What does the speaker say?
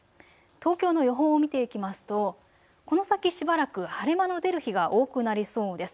東京の予報を見ていきますとこの先しばらく晴れ間の出る日が多くなりそうです。